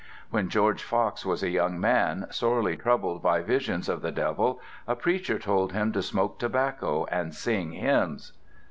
When George Fox was a young man, sorely troubled by visions of the devil, a preacher told him to smoke tobacco and sing hymns.